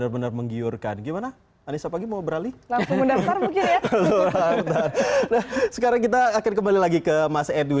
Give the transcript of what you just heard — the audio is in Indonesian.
pernahkah kita menjelaskan bahwa